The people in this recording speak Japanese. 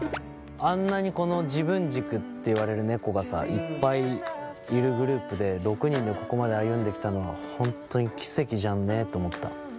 あんなに自分軸っていわれる猫がさいっぱいいるグループで６人でここまで歩んできたのはほんとに奇跡じゃんねと思った。